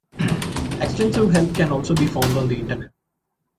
Extensive help can also be found on the Internet.